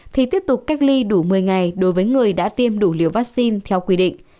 thì tiếp tục cách ly đủ một mươi ngày đối với người đã tiêm đủ liều vaccine theo quy định